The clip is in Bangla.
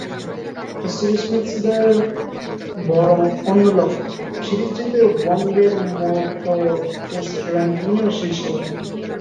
স্টিভ স্মিথদের বরং অন্য লক্ষ্য—সিরিজ জিতে ওয়ানডের মতো টেস্ট র্যাঙ্কিংয়েরও শীর্ষে ওঠা।